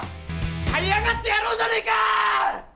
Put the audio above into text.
はい上がってやろうじゃねえか。